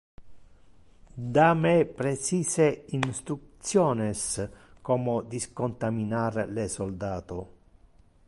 Da me precise instructiones como discontaminar le soldato.